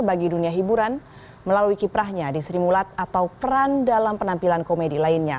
bagi dunia hiburan melalui kiprahnya di sri mulat atau peran dalam penampilan komedi lainnya